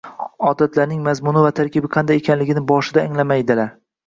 odatlarning mazmuni va tarkibi qanday ekanligini boshida anglamaydilar